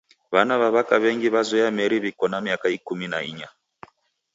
W'ana w'a w'aka w'engi w'azoya meri w'iko na miaka ikumi na inya.